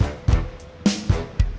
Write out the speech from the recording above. ya ini lagi serius